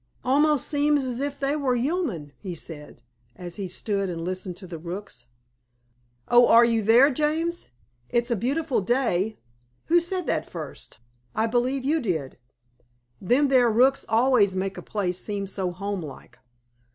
"Almost seems as if they were yooman," he said, as we stood and listened to the rooks. "Oh, are you there, James? It's a beautiful day. Who said that first? I believe you did." "Them there rooks always make a place seem so home like.